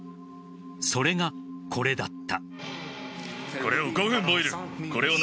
それが、これだった。